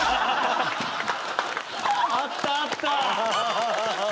あったあった！